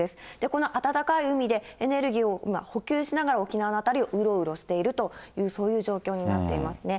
この暖かい海で、エネルギーを補給しながら、沖縄の辺りをうろうろしているという、そういう状況になっていますね。